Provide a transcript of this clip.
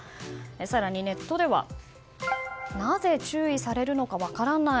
更にネットではなぜ注意されるのか分からない。